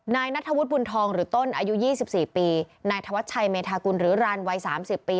นายนัทวุทธ์บุญทองหรือต้นอายุยี่สิบสี่ปีนายถวัชชัยเมธากุณฑ์หรือรันว์วัยสามสิบปี